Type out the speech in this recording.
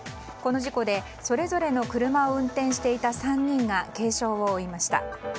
この事故で、それぞれの車を運転していた３人が軽傷を負いました。